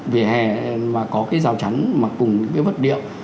vỉa hè mà có cái rào chắn mặc cùng cái vật điệu